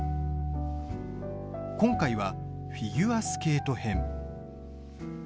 今回はフィギュアスケート編。